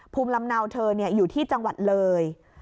ภูมิลำเนาเธออยู่ที่จังหวัดเลย